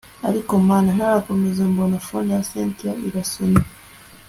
ariko mana ntarakomeza mbona phone ya cyntia irasonye